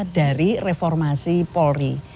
dari reformasi polri